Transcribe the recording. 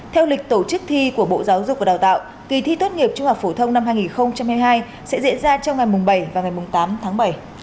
theo lịch tổ chức thi của bộ giáo dục và đào tạo kỳ thi tốt nghiệp trung học phổ thông năm hai nghìn hai mươi hai sẽ diễn ra trong ngày bảy và ngày tám tháng bảy